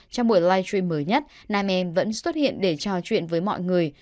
trong buổi live stream mới nhất nam em vẫn xuất hiện để trò chuyện với mọi người